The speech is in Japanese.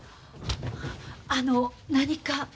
あの何か？